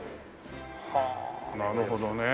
はあなるほどね。